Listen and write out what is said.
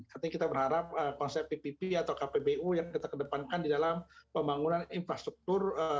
artinya kita berharap konsep ppp atau kpbu yang kita kedepankan di dalam pembangunan infrastruktur